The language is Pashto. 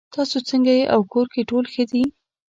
تاسو څنګه یې او کور کې ټول ښه دي